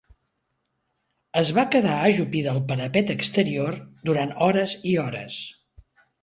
Es va quedar ajupida al parapet exterior durant hores i hores.